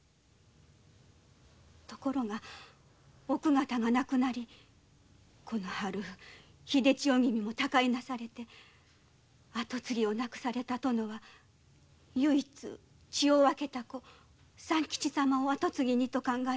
ところが奥方が亡くなりこの春秀千代君が他界なされ跡継ぎを亡くされた殿は唯一血を分けた子三吉様を跡継ぎにと考え